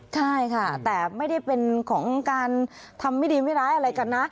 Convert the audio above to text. ใช่ค่ะแต่ไม่ได้เป็นของการทำไม่ดีไม่ร้ายอะไรกันนะ